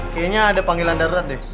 kayaknya ada panggilan darurat deh